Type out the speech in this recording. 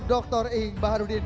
dr ing baharudin